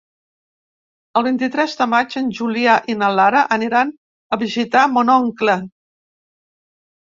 El vint-i-tres de maig en Julià i na Lara aniran a visitar mon oncle.